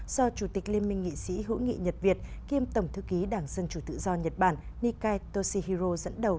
do chủ tịch liên minh nghị sĩ hữu nghị nhật việt kiêm tổng thư ký đảng dân chủ tự do nhật bản nikai toshihiro dẫn đầu